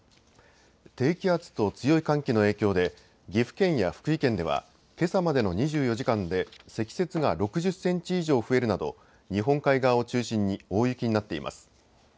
低気圧と強い寒気の影響で岐阜県や福井県ではけさまでの２４時間で積雪が６０センチ以上増えるなど日本海側を中心に大雪になっています。